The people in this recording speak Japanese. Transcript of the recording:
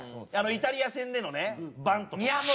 イタリア戦でのバントとか。